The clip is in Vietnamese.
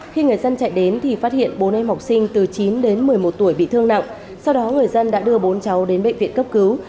khi người dân chạy đến thì phát hiện bốn em học sinh từ chín đến một mươi một tuổi bị thương nặng sau đó người dân đã đưa bốn cháu đến bệnh viện cấp cứu